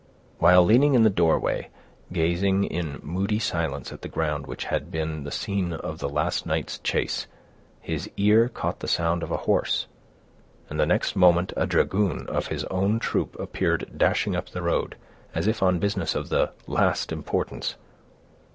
While leaning in the doorway, gazing in moody silence at the ground which had been the scene of the last night's chase, his ear caught the sound of a horse, and the next moment a dragoon of his own troop appeared dashing up the road, as if on business of the last importance.